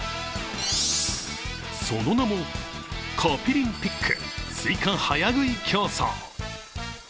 その名も、カピリンピックスイカ早食い競争。